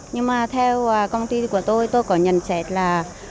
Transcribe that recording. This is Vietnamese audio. nhưng mà theo công ty của tôi tôi có nhận chết là